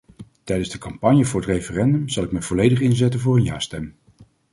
Tijdens de campagne voor het referendum zal ik mij volledig inzetten voor een ja-stem.